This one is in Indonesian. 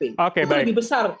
itu lebih besar